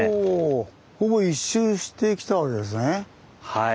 はい。